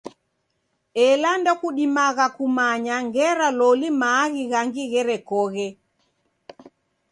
Ela ndokudimagha kumanya ngera loli maaghi ghangi gherekoghe.